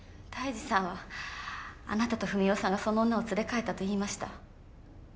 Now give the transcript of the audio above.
泰治さんはあなたと文雄さんがその女を連れ帰ったと言いました。